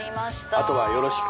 あとはよろしく。